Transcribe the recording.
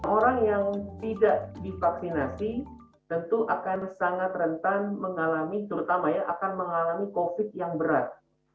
orang yang tidak divaksinasi tentu akan sangat rentan mengalami terutama ya akan mengalami covid yang berat